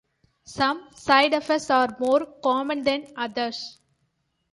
Some side effects are more common than others.